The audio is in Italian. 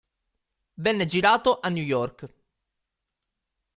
Venne girato a New York.